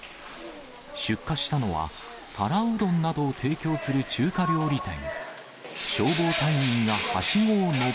出火したのは、皿うどんなどを提供する中華料理店。